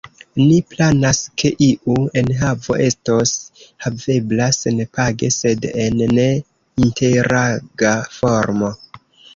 Ni planas, ke iu enhavo estos havebla senpage, sed en ne-interaga formo.